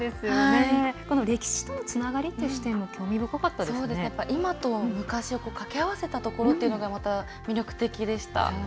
歴史とのつながりという視点も今と昔を掛け合わせたところというのが魅力的でした。